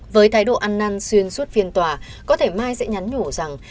với thái độ ăn năn xuyên suốt phiên tòa có thể mai sẽ nhắn nhủ rằng